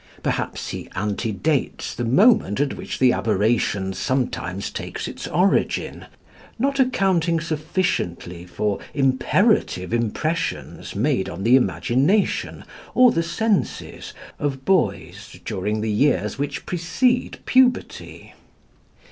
Perhaps he antedates the moment at which the aberration sometimes takes its origin, not accounting sufficiently for imperative impressions made on the imagination or the senses of boys during the years which precede puberty.